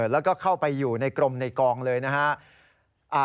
แล้วก็เข้าไปอยู่ในกรมในกองเลยนะครับ